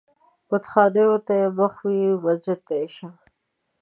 بتخانې و ته يې مخ وي و مسجد و ته يې شا